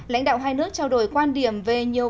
lãnh đạo hai nước trao đổi quan điểm về nhiều hợp tác